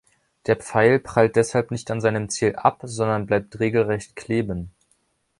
Der Pfeil prallt deshalb an seinem Ziel nicht ab, sondern bleibt regelrecht kleben.